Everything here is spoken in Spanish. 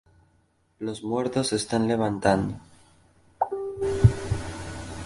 Los muertos se están levantando.